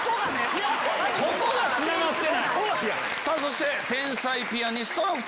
そして天才ピアニストのお２人。